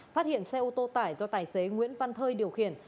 phát hiện xe ô tô tải do tài xế nguyễn văn thơi điều khiển